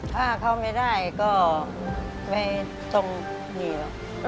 ถ้าเข้าไม่ได้ก็ไปตรงนี้